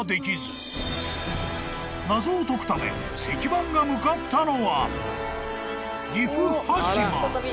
［謎を解くため石板が向かったのは］